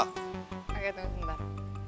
oke tunggu sebentar